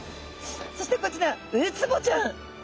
そしてこちらウツボちゃん。